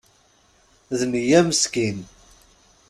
D nniya meskin.